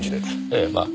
ええまあ。